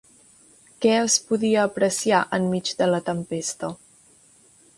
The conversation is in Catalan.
Què es podia apreciar enmig de la tempesta?